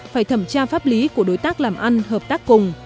phải thẩm tra pháp lý của đối tác làm ăn hợp tác cùng